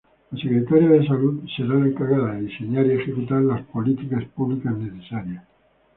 La Secretaría de Salud será la encargada de diseñar y ejecutar políticas públicas necesarias.